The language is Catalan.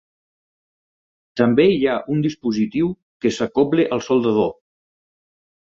També hi ha un dispositiu que s'acobla al soldador.